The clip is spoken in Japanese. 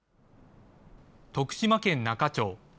徳島県那賀町。